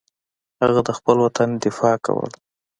هغه د خپل وطن دفاع کوله.